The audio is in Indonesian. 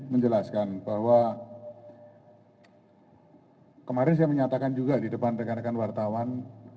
menjelaskan bahwa kemarin saya menyatakan juga di depan rekan rekan wartawan